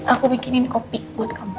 aku bikinin kopi buat kamu